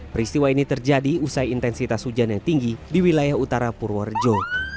peristiwa ini terjadi usai intensitas hujan yang tinggi di wilayah utara purworejo